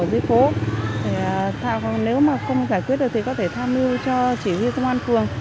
để tạo nếu không giải quyết được thì có thể tham lưu cho chỉ huy công an phường